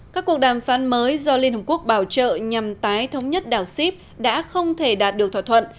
các cuộc đàm phán mới do liên hợp quốc bảo trợ nhằm tái thống nhất đảo sip đã không thể đạt được thỏa thuận